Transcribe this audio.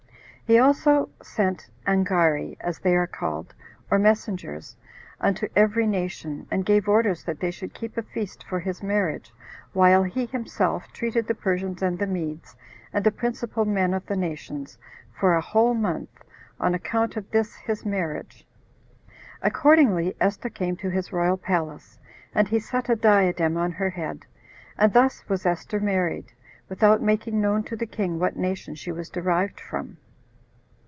He also sent angari, as they are called, or messengers, unto every nation, and gave orders that they should keep a feast for his marriage, while he himself treated the Persians and the Medes, and the principal men of the nations, for a whole month, on account of this his marriage. Accordingly, Esther came to his royal palace, and he set a diadem on her head. And thus was Esther married, without making known to the king what nation she was derived from.